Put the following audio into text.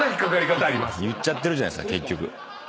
言っちゃってるじゃないですか結局。